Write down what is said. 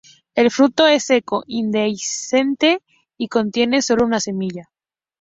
El fruto es seco, indehiscente y contiene sólo una semilla.